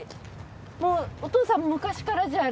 もうお父さん昔からじゃあ。